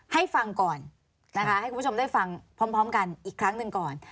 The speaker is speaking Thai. ให้ฟังก่อนนะคะให้คุณผู้ชมได้ฟังพร้อมกันอีกครั้งหนึ่งก่อน